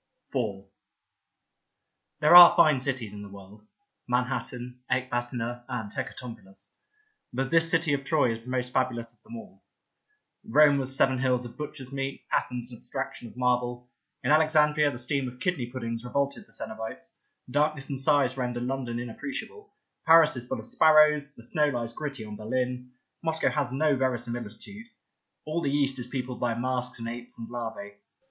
Beauty 49 IV THERE are fine cities in the world — Manhattan, Ecbatana and Hecatompylus — but this city of Troy is the most fabulous of them all. Rome was seven hills of butcher's meat, Athens an abstraction of marble, in Alexandria the steam of kidney puddings revolted the coenobites, darkness and size render London inappreciable, Paris is full of sparrows, the snow lies gritty on BerHn, Moscow has no veri similitude, all the East is peopled by masks and apes and larvae.